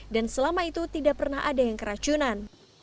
dan selama itu tidak pernah ada yang keracunan